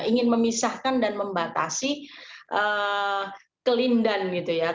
ingin memisahkan dan membatasi kelindan gitu ya